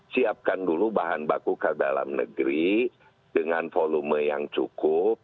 siapkan dulu bahan baku ke dalam negeri dengan volume yang cukup